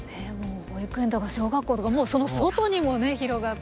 保育園とか小学校とかもうその外にも広がって。